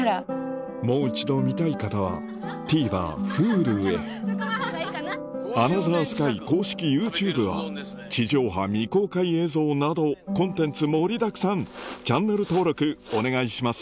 もう一度見たい方はＴＶｅｒＨｕｌｕへ『アナザースカイ』公式ＹｏｕＴｕｂｅは地上波未公開映像などコンテンツ盛りだくさんチャンネル登録お願いします